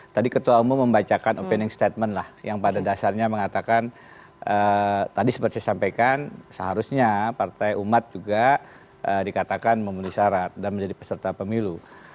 tadi ketua umum membacakan opining statement lah yang pada dasarnya mengatakan tadi seperti saya sampaikan seharusnya partai umat juga dikatakan memenuhi syarat dan menjadi peserta pemilu